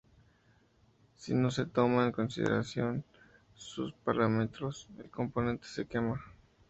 Si no se toman en consideración sus parámetros, el componente se quema.